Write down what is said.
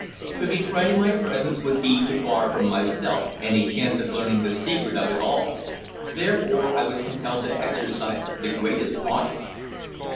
To betray my presence would be to bar from myself any chance of learning the secret of it all; therefore I was compelled to exercise the greatest caution.